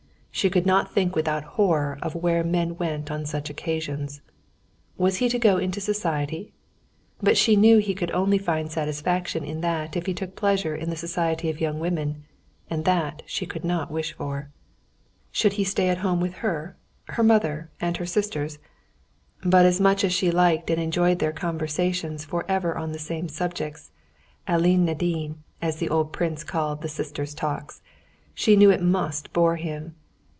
She could not think without horror of where men went on such occasions. Was he to go into society? But she knew he could only find satisfaction in that if he took pleasure in the society of young women, and that she could not wish for. Should he stay at home with her, her mother and her sisters? But much as she liked and enjoyed their conversations forever on the same subjects—"Aline Nadine," as the old prince called the sisters' talks—she knew it must bore him.